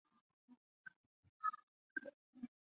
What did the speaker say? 以优胜为目标的女子赛车手向着终点冲刺！